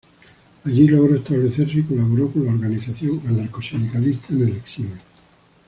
Allí logró establecerse y colaboró con la organización anarcosindicalista en el exilio.